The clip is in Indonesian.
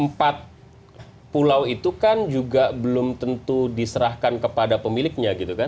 empat pulau itu kan juga belum tentu diserahkan kepada pemiliknya gitu kan